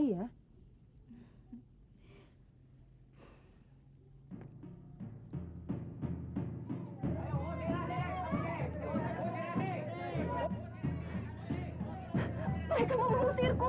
tidak tidak tidak